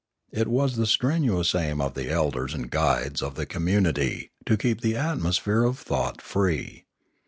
It was the strenuous aim of the elders and guides of the community to keep the atmosphere of thought free.